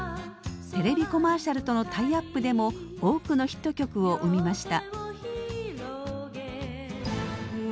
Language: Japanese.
テレビコマーシャルとのタイアップでも多くのヒット曲を生みました。